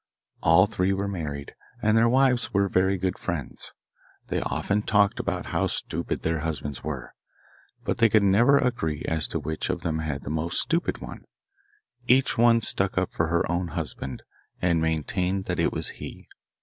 All three were married, and their wives were very good friends. They often talked about how stupid their husbands were, but they could never agree as to which of them had the most stupid one; each one stuck up for her own husband, and maintained that it was he.